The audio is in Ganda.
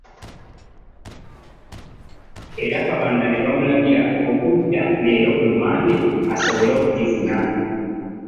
Era Kabanda ne bamulagira okudda leero ku Mmande asobole okugifuna.